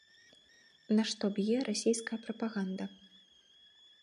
На што б'е расейская прапаганда?